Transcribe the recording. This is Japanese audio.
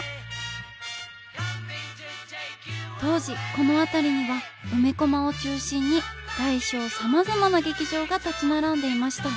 当時この辺りには梅コマを中心に大小さまざまな劇場が立ち並んでいました。